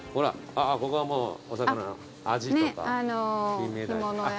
あぁここはもうお魚アジとかキンメダイ。